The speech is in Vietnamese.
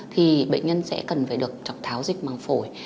thì bệnh nhân sẽ cần phải được chọc tháo dịch măng phổi